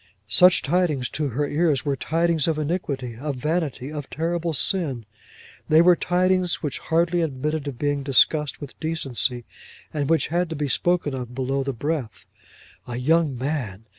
Such tidings, to her ears, were tidings of iniquity, of vanity, of terrible sin; they were tidings which hardly admitted of being discussed with decency, and which had to be spoken of below the breath. A young man!